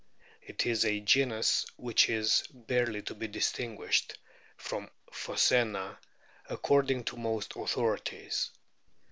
It is a genus which is barely to be distinguished from Phoc&na according to most authorities.